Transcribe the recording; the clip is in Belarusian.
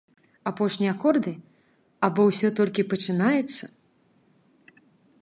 Апошнія акорды або ўсё толькі пачынаецца?